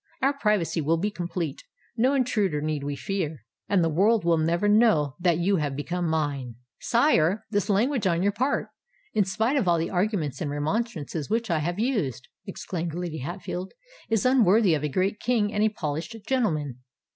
Our privacy will be complete: no intruder need we fear;—and the world will never know that you have become mine." "Sire, this language on your part—in spite of all the arguments and remonstrances which I have used," exclaimed Lady Hatfield, "is unworthy of a great King and a polished gentleman."